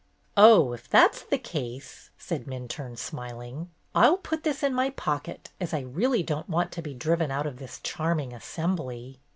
"Oh, if that's the case," said Minturne, smiling, "I 'll put this in my pocket, as I really don't want to be driven out of this charming assembly."